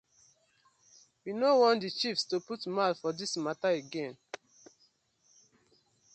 We no want the chiefs to put mouth for dis matta again.